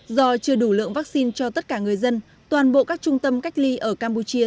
do chưa đủ lượng vaccine cho tất cả người dân toàn bộ các trung tâm cách ly ở campuchia